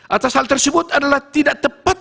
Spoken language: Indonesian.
atas hal tersebut adalah tidak tepat